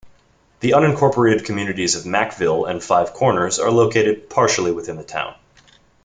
The unincorporated communities of Mackville and Five Corners are located partially within the town.